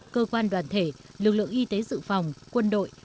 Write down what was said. cơ quan đoàn thể lực lượng y tế dự phòng quân đội